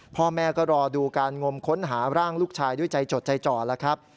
พ่อแม่ก็รอดูการงมค้นหาร่างลูกชายด้วยใจจดใจจ่อแล้วครับ